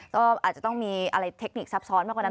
ก็อาจจะต้องมีอะไรเทคนิคซับซ้อนมากกว่านั้น